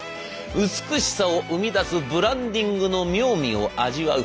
美しさを生み出すブランディングの妙味を味わう